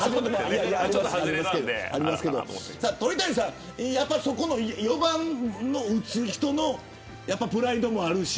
鳥谷さん４番を打つ人のプライドもあるし。